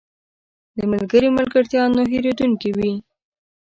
• د ملګري ملګرتیا نه هېریدونکې وي.